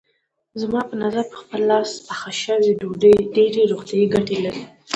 زما په نظر په خپل لاس پخه شوې ډوډۍ ډېرې روغتیايي ګټې لري.